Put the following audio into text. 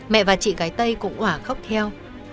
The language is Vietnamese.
mẹ và chị gái tây cũng hỏa khóc theo